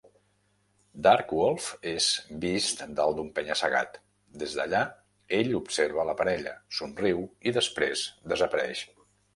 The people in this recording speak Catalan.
Darkwolf és vist dalt d'un penya-segat; des d'allà ell observa la parella, somriu i després desapareix.